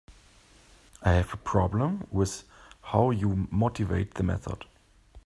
I have a problem with how you motivate the method.